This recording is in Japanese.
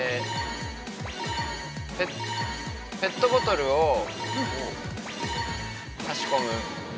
◆ペットボトルを差し込む。